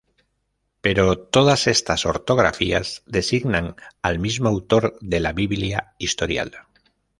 Pero todas estas ortografías designan al mismo autor de la Biblia Historial.